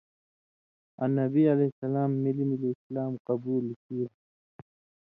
آں نبی علیہ السلام مِلیۡ مِلیۡ اِسلام قبول کیریۡ۔